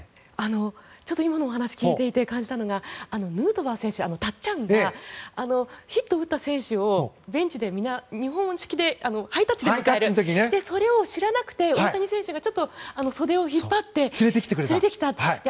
今のお話を聞いていて感じたのはヌートバー選手、たっちゃんがヒットを打った選手をベンチでみんな日本式でハイタッチで迎えるそれを知らなくて、大谷選手がちょっと袖を引っ張って連れてきていた。